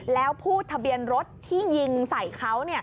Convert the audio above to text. แล้วผู้ทะเบียนรถที่ยิงใส่เขา